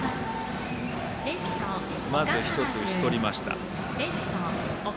まず、１人、打ちとりました。